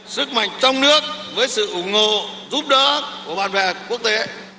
sức mạnh trong nước với sự ủng hộ giúp đỡ của bạn bè quốc tế